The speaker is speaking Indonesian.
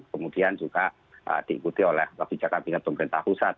kemudian juga diikuti oleh kebijakan tingkat pemerintah pusat